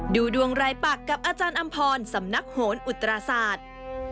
ดูดวงรายปักกับอาจารย์อำพรสำนักโหนอุตราศาสตร์